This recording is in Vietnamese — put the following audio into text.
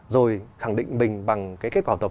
rồi khẳng định mình bằng cái kết quả học tập